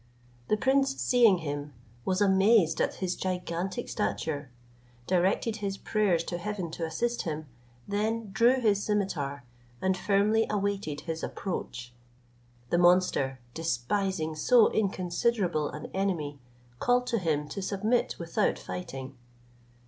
The prince seeing him, was amazed at his gigantic stature, directed his prayers to heaven to assist him, then drew his scimitar, and firmly awaited his approach. The monster, despising so inconsiderable an enemy, called to him to submit without fighting.